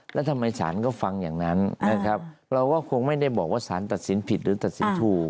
แล้วทำไมศาลก็ฟังอย่างนั้นนะครับเราก็คงไม่ได้บอกว่าสารตัดสินผิดหรือตัดสินถูก